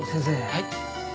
はい。